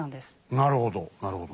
なるほど。